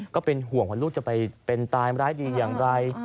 ก็เป็นห่วงว่าลูกจะไปเป็นตายร้ายดีอย่างไร